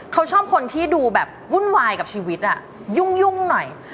เขาชอบคนที่ดูแบบวุ่นวายกับชีวิตยุ่งหน่อย